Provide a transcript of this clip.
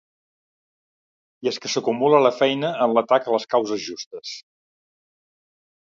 I es que s'acumula la feina en l'atac a les causes justes.